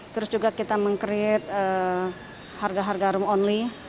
terus juga kita meng create harga harga room only